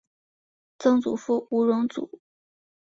曾祖父吴荣祖。